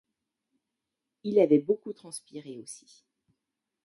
Il avait beaucoup transpiré aussi.